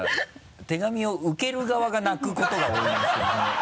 手紙を受ける側が泣くことが多いんですけど。